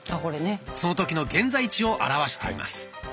その時の現在地を表しています。